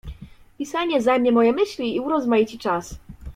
"Pisanie zajmie moje myśli i urozmaici czas."